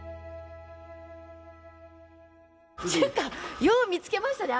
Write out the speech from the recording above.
っちゅうかよう見つけましたね